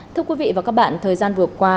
thưa quý vị và các bạn thời gian vừa qua